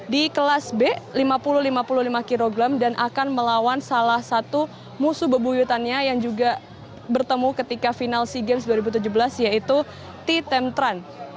di kelas b lima puluh lima puluh lima kg dan akan melawan salah satu musuh bebuyutannya yang juga bertemu ketika final sea games dua ribu tujuh belas yaitu t temtran